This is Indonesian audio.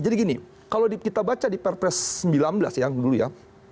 jadi gini kalau kita baca di perpres sembilan belas ya yang dulu ya